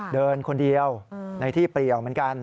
เดินคนเดียวในที่เปลี่ยวเหมือนกัน